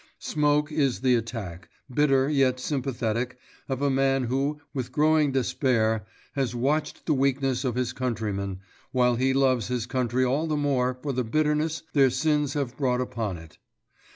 Smoke is the attack, bitter yet sympathetic, of a man who, with growing despair, has watched the weakness of his countrymen, while he loves his country all the more for the bitterness their sins have brought upon it.